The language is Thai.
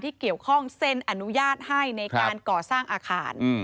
เกี่ยวข้องเซ็นอนุญาตให้ในการก่อสร้างอาคาร